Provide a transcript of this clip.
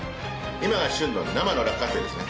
今が旬の生の落花生ですね